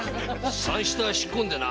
三下は引っ込んでな！